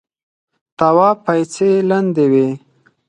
تواب پايڅې لندې وې.